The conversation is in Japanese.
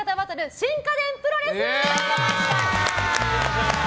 新家電プロレス。